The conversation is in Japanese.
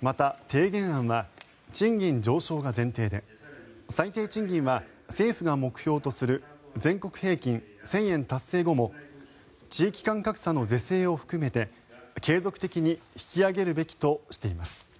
また提言案は賃金上昇が前提で最低賃金は政府が目標とする全国平均１０００円達成後も地域間格差の是正を含めて継続的に引き上げるべきとしています。